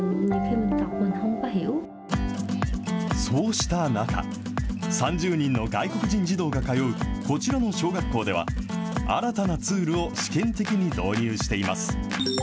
そうした中、３０人の外国人児童が通うこちらの小学校では、新たなツールを試験的に導入しています。